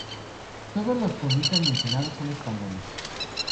Todos los cronistas mencionados son españoles.